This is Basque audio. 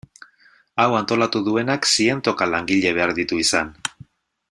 Hau antolatu duenak zientoka langile behar ditu izan.